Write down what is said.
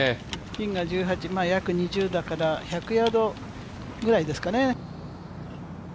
ピンが１８、約２０だから１００ヤードくらいですかね。